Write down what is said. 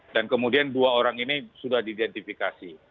dan kemudian dua orang ini sudah diidentifikasi